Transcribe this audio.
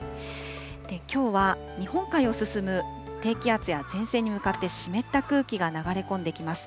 きょうは、日本海を進む低気圧や前線に向かって湿った空気が流れ込んできます。